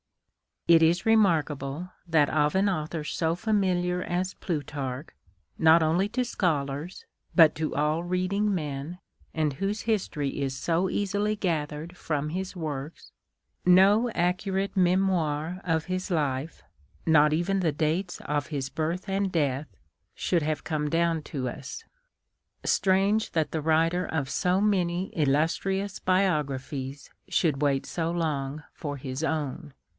It is remarkable that of an author so familiar as Plutarch, not only to scholars, but to all reading men, and whose history is so easily gathered from his works, no accurate memoir of his life, not even tlie dates of his birth and death, slionld liave come down to us. Strange that the writer of so many illustrious biograjjhies should wait so long for his own.